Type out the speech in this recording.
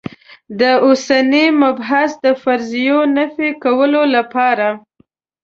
د اوسني مبحث د فرضیو نفي کولو لپاره.